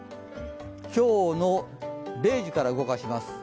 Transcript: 今日の０時から動かします。